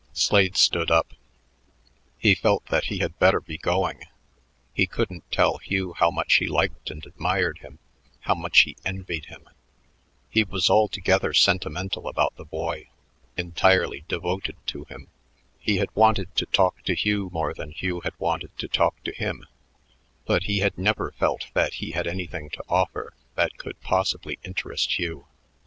Slade stood up. He felt that he had better be going. He couldn't tell Hugh how much he liked and admired him, how much he envied him. He was altogether sentimental about the boy, entirely devoted to him. He had wanted to talk to Hugh more than Hugh had wanted to talk to him, but he had never felt that he had anything to offer that could possibly interest Hugh.